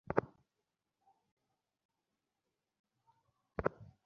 আমিও তোমায় ভালোবাসি, জ্যাক।